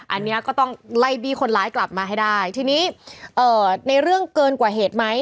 อันนี้ก็ต้องไล่บี้คนร้ายกลับมาให้ได้ทีนี้เอ่อในเรื่องเกินกว่าเหตุไหม